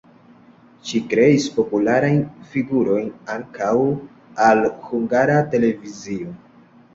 Ŝi kreis popularajn figurojn ankaŭ al Hungara Televizio.